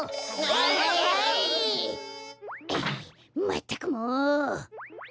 まったくもう！